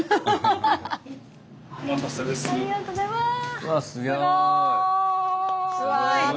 またはありがとうございます。